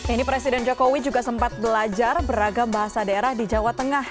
ini presiden jokowi juga sempat belajar beragam bahasa daerah di jawa tengah